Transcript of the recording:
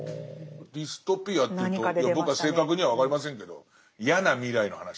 ディストピアというと僕は正確には分かりませんけど嫌な未来の話。